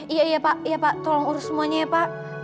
iya iya pak tolong urus semuanya ya pak